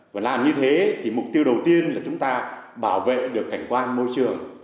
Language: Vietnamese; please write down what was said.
và làm như thế thì mục tiêu đầu tiên là chúng ta bảo vệ được cảnh quan môi trường